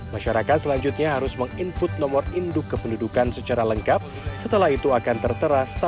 masyarakat selanjutnya harus menginput nomor induk kependudukan secara lengkap setelah itu akan tertera status anda